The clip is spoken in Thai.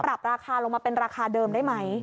ราคาลงมาเป็นราคาเดิมได้ไหม